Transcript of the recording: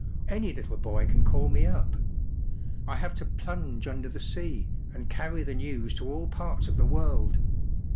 Any little boy can call me up. I have to plunge under the sea, and carry the news to all parts of the world.